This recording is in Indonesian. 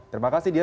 terima kasih dia